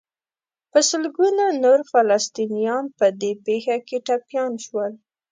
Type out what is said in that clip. په سلګونو نور فلسطینیان په دې پېښه کې ټپیان شول.